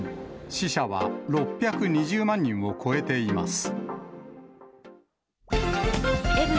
死者は６２０万人を超えています。